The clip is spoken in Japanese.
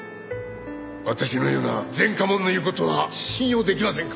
私のような前科者の言う事は信用できませんか？